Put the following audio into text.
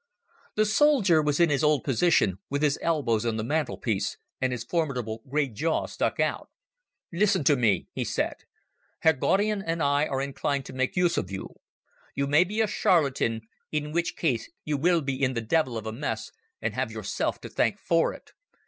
The soldier was in his old position with his elbows on the mantelpiece and his formidable great jaw stuck out. "Listen to me," he said. "Herr Gaudian and I are inclined to make use of you. You may be a charlatan, in which case you will be in the devil of a mess and have yourself to thank for it.